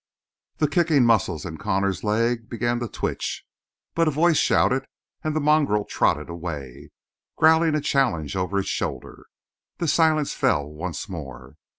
The kicking muscles in Connor's leg began to twitch, but a voice shouted and the mongrel trotted away, growling a challenge over its shoulder. The silence fell once more.